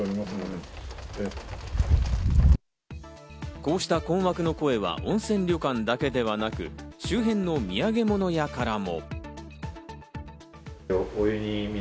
こうした困惑の声は温泉旅館だけではなく、周辺のみやげもの屋からも。